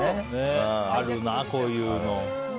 あるな、こういうの。